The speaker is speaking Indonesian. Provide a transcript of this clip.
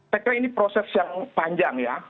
saya kira ini proses yang panjang ya